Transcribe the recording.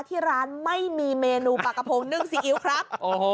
ที่ร้านไม่มีเมนูปลากระพงนึ่งซีอิ๊วครับ